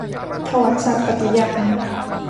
ถวายสัตย์ปฏิญาณ